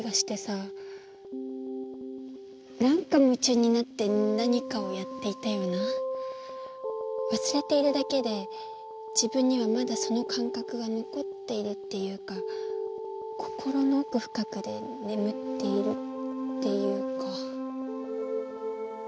何か夢中になって何かをやっていたような忘れているだけで自分にはまだその感覚が残っているっていうか心の奥深くで眠っているっていうか。